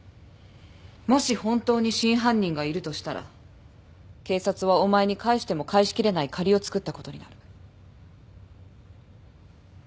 もし本当に真犯人がいるとしたら警察はお前に返しても返しきれない借りをつくったことになる。